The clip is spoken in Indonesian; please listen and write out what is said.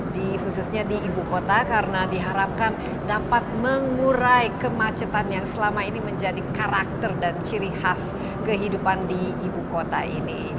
di khususnya di ibu kota karena diharapkan dapat mengurai kemacetan yang selama ini menjadi karakter dan ciri khas kehidupan di ibu kota ini